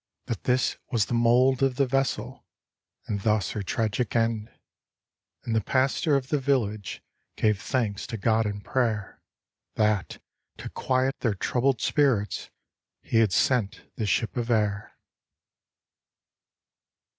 That this was the mould of the vessel. And thus her tragic end. And the pastor of the village Gave thanks to God in prater, That, to quiet their troubled spirits, He had sent this ship of air.